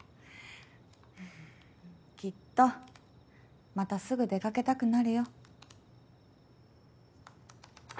きっとまたすぐ出掛けたくなるよ。